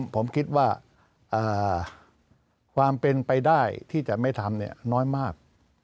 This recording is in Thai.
ผมคิดว่าความเป็นไปได้ที่จะไม่ทำน้อยมาก